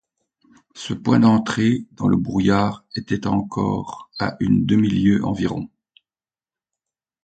Ce point d’entrée dans le brouillard était encore à une demi-lieue environ.